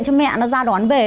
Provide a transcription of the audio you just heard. cho mẹ nó ra đón về